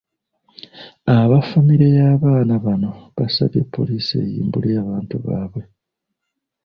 Aba famire y’abaana bano basabye poliisi eyimbule abantu baabwe.